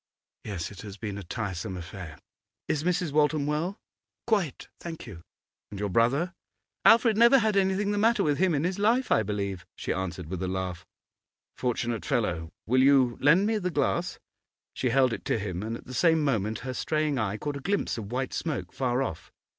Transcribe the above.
'Yes; it has been a tiresome affair. Is Mrs. Waltham well?' 'Quite, thank you.' 'And your brother?' 'Alfred never had anything the matter with him in his life, I believe,' she answered, with a laugh. 'Fortunate fellow! Will you lend me the glass?' She held it to him, and at the same moment her straying eye caught a glimpse of white smoke, far off.